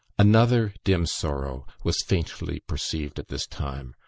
Another dim sorrow was faintly perceived at this time.